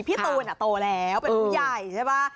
พี่ตูนโตแล้วเป็นผู้ใหญ่ใช่ป่ะ